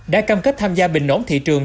đã cam kết tham gia bình ổn thị trường